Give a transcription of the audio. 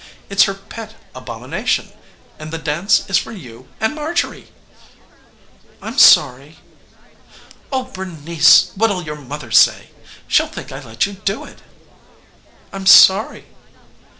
It's her pet abomination. And the dance is for you and Marjorie!" "I'm sorry." "Oh, Bernice, what'll your mother say? She'll think I let you do it." "I'm sorry."